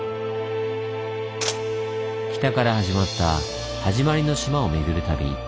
北から始まった「はじまりの島」を巡る旅。